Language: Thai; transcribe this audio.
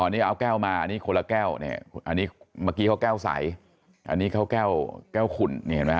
นี่เอาแก้วมาอันนี้คนละแก้วอันนี้เมื่อกี้เขาแก้วใสอันนี้เขาแก้วขุน